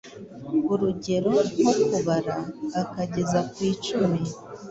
urugero nko kubara akageza ku icumi